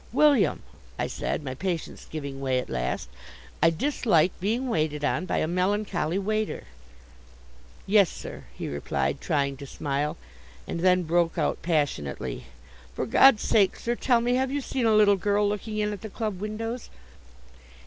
"William," I said, my patience giving way at last; "I dislike being waited on by a melancholy waiter." "Yes, sir," he replied, trying to smile, and then broke out passionately, "For God's sake, sir, tell me, have you seen a little girl looking in at the club windows?"